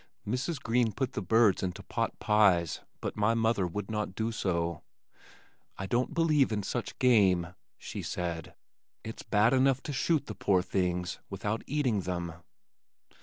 Mrs. Green put the birds into potpies but my mother would not do so. "I don't believe in such game," she said. "It's bad enough to shoot the poor things without eating them."